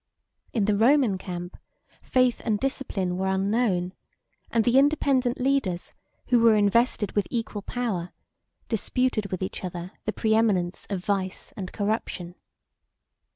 In the Roman camp, faith and discipline were unknown; and the independent leaders, who were invested with equal power, disputed with each other the preeminence of vice and corruption.